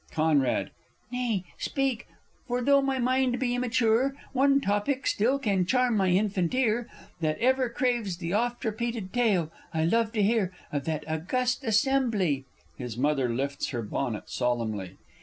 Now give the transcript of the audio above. Conrad. Nay, speak; for though my mind be immature, One topic still can charm my infant ear, That ever craves the oft repeated tale. I love to hear of that august assembly [_His Mother lifts her bonnet solemnly.